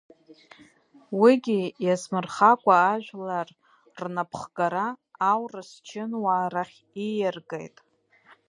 Уигьы иазмырхакәа ажәлар рнапхгара аурыс чынуаа рахь ииаргеит.